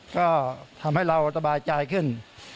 ก็ทำให้เราสบายใจขึ้น